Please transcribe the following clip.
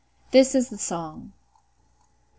This is the song: I.